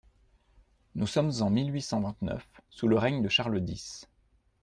Nous sommes en mille huit cent vingt-neuf, sous le règne de Charles dix.